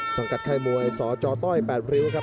สังกัดไข้มวยสจต้อย๘ริ้วครับ